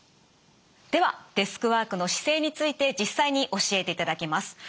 ではデスクワークの姿勢について実際に教えていただきます。